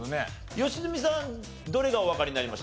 良純さんどれがおわかりになりました？